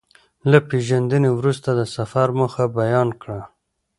له پېژندنې وروسته د سفر موخه بيان کړه.